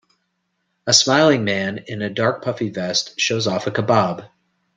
A smiling man in a dark puffy vest shows off a kebab.